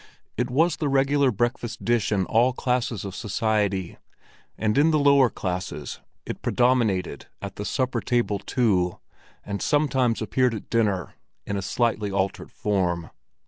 It was the regular breakfast dish in all classes of society, and in the lower classes it predominated at the supper table too—and sometimes appeared at dinner in a slightly altered form.